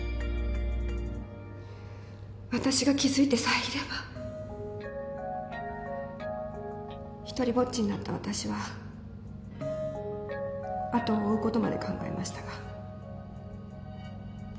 私が気付いてさえいれば。独りぼっちになった私は後を追うことまで考えましたが。